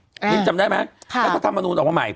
มินจำได้ไหมแล้วถ้าทำอนุญาโอกมาใหม่